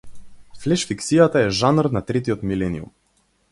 Флеш фикцијата е жанр на третиот милениум.